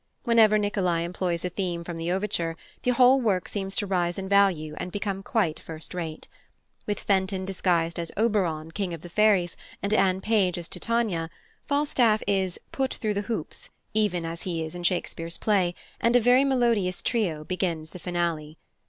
Whenever Nicolai employs a theme from the overture the whole work seems to rise in value and become quite first rate. With Fenton disguised as Oberon, King of the Fairies, and Anne Page as Titania, Falstaff is "put through the hoops," even as he is in Shakespeare's play, and a very melodious trio begins the finale.